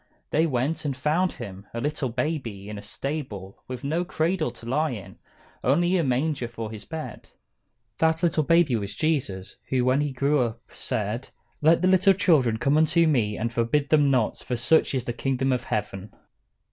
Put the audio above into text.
They went, and found Him, a little baby, in a stable, with no cradle to lie in; only a manger for His bed. That little baby was Jesus, who when He grew up said: "Let the little children come unto me, and forbid them not, for of such is the kingdom of heaven."